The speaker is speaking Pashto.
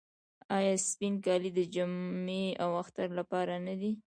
آیا سپین کالي د جمعې او اختر لپاره نه دي؟